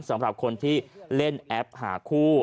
สำหรับคนที่เล่นแอปหาคู่